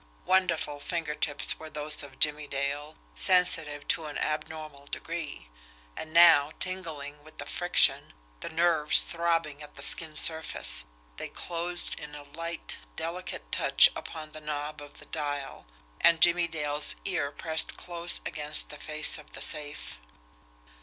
Wonderful finger tips were those of Jimmie Dale, sensitive to an abnormal degree; and now, tingling with the friction, the nerves throbbing at the skin surface, they closed in a light, delicate touch upon the knob of the dial and Jimmie Dale's ear pressed close against the face of the safe.